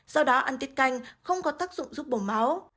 do đó ăn tiết canh không có tác dụng giúp bổ máu